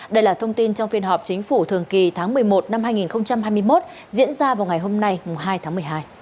đây là thông tin trong phiên họp chính phủ thường kỳ tháng một mươi một năm hai nghìn hai mươi một diễn ra vào ngày hôm nay hai tháng một mươi hai